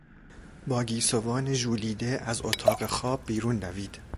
با گیسوان ژولیده از اتاق خواب بیرون دوید.